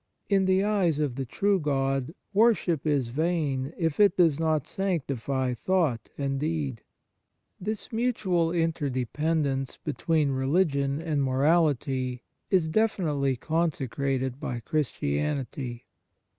In the eyes of the true God, worship is vain, if it does not sanctify thought and deed. This mutual interdependence be tween religion and morality is defin itely consecrated by Christianity.